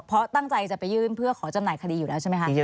เพราะตั้งใจจะไปยื่นเพื่อขอจำหน่ายคดีอยู่แล้วใช่ไหมคะ